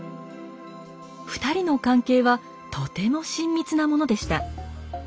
２人の関係はとても親密なものでした。